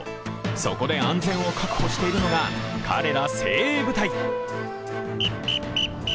そこで安全を確保しているのが彼ら精鋭部隊。